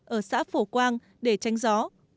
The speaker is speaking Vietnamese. ở xã phổ quang để tranh gió